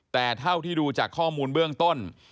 แต่เท่าที่ดูจากข้อมูลเบื้องต้น